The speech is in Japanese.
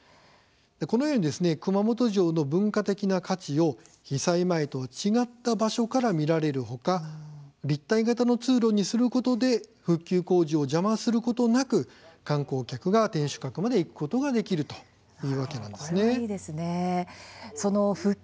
このように熊本城の文化的な価値を被災前とは違った場所から見られるほか立体型の通路にすることで復旧工事を邪魔することなく観光客が、天守閣まで行くことができるというわけなんですね。